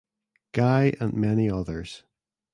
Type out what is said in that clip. Guy and many others.